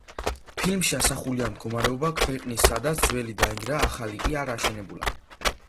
ფილმში ასახულია მდგომარეობა ქვეყნისა, სადაც ძველი დაინგრა, ახალი კი არ აშენებულა.